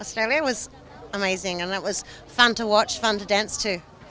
australia sangat luar biasa dan sangat menarik untuk menonton dan menari juga